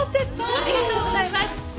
ありがとうございます！